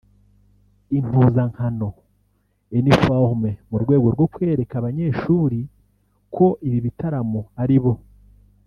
Impuzankano (uniforme) mu rwego rwo kwereka abanyeshuri ko ibi bitaramo ari bo